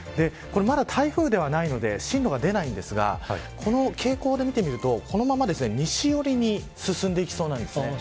台風ではないので進路はないんですが傾向で見てみるとこのまま西寄りに進んでいきそうです。